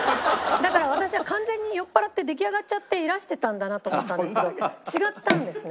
だから私は完全に酔っ払ってできあがっちゃっていらしてたんだなと思ったんですけど違ったんですね。